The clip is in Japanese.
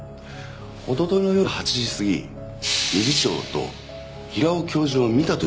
おとといの夜８時過ぎ理事長と平尾教授を見たという人がいますが。